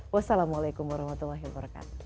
wassalamualaikum warahmatullahi wabarakatuh